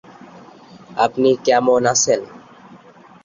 এটি নওগাঁ জেলার সাপাহার থানার সাপাহার সদরে অবস্থিত।